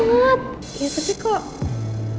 astaga tash cantik banget